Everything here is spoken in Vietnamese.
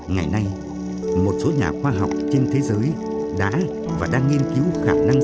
ngày nay một số nhà khoa học trên thế giới đã và đang nghiên cứu khả năng